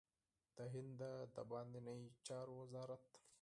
د هند د بهرنيو چارو وزارت